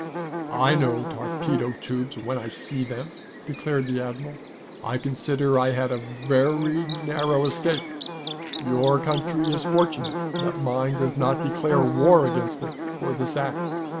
"I know torpedo tubes when I see them," declared the admiral. "I consider I had a very narrow escape. Your country is fortunate that mine does not declare war against it for this act.